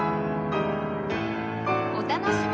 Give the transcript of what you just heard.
お楽しみに